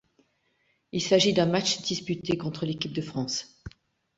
Il s'agit d'un match disputé contre l'équipe de France.